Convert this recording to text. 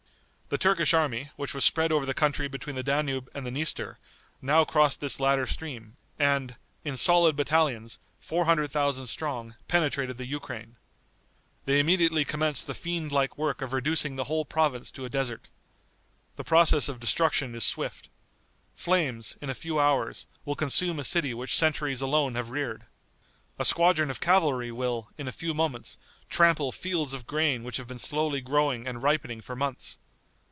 The Turkish army, which was spread over the country between the Danube and the Dniester, now crossed this latter stream, and, in solid battalions, four hundred thousand strong, penetrated the Ukraine. They immediately commenced the fiend like work of reducing the whole province to a desert. The process of destruction is swift. Flames, in a few hours, will consume a city which centuries alone have reared. A squadron of cavalry will, in a few moments, trample fields of grain which have been slowly growing and ripening for months.